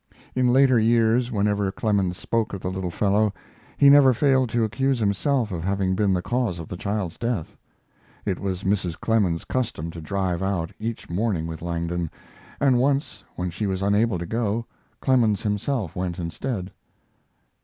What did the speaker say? In later years, whenever Clemens spoke of the little fellow, he never failed to accuse himself of having been the cause of the child's death. It was Mrs. Clemens's custom to drive out each morning with Langdon, and once when she was unable to go Clemens himself went instead.